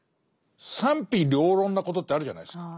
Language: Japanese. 賛否両論なことってあるじゃないですか。